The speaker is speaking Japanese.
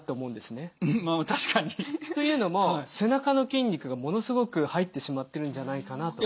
まあまあ確かに。というのも背中の筋肉がものすごく入ってしまってるんじゃないかなと。